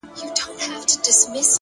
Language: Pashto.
هره شېبه د ښه انتخاب فرصت دی!